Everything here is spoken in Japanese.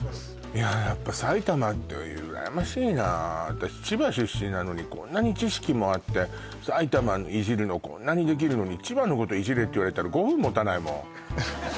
いやあやっぱ埼玉ってうらやましいな私千葉出身なのにこんなに知識もあって埼玉いじるのこんなにできるのに千葉のこといじれって言われたら５分もたないもん